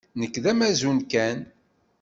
Nekk d amazun kan.